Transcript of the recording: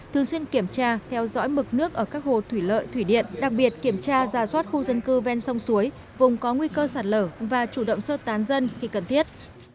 thường xuyên kiểm tra theo dõi mực nước ở các hồ thủy lợi thủy điện đặc biệt kiểm tra ra soát khu dân cư ven sông suối vùng có nguy cơ sạt lở và chủ động sơ tán dân khi cần thiết